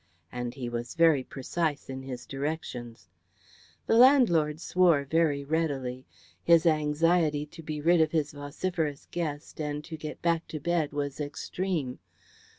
And he was very precise in his directions. The landlord swore very readily. His anxiety to be rid of his vociferous guest and to get back to bed was extreme.